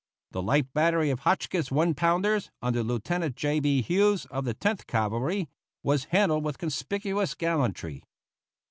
The light battery of Hotchkiss one pounders, under Lieutenant J. B. Hughes, of the Tenth Cavalry, was handled with conspicuous gallantry.